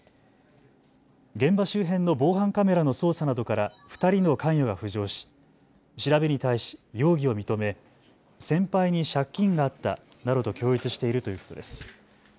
現場周辺の防犯カメラの捜査などから２人の関与が浮上し調べに対し容疑を認め先輩に借金があったなどと供述しているということです。